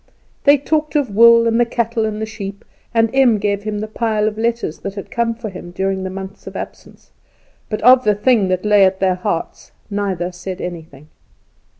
They talked of wool, and the cattle, and the sheep, and Em gave him the pile of letters that had come for him during the months of absence, but of the thing that lay at their hearts neither said anything.